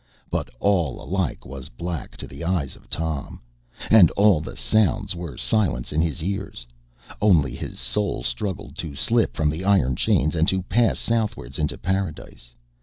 But all alike was black to the eyes of Tom, and all the sounds were silence in his ears; only his soul struggled to slip from the iron chains and to pass southwards into Paradise.